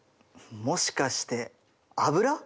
もしかして油？